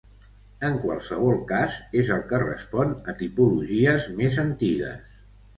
En qualsevol cas és el que respon a tipologies més antigues.